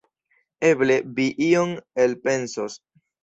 Eble, vi ion elpensos.